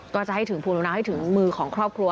ก็จะให้ถึงภูมิแล้วนะให้ถึงมือของครอบครัว